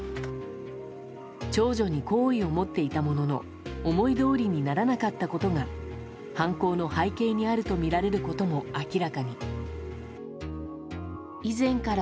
長女に好意を持っていたものの思いどおりにならなかったことが犯行の背景にあるとみられることも明らかに。